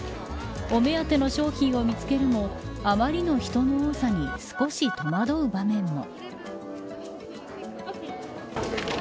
お目当ての商品を見つけるもあまりの人の多さに少し戸惑う場面も。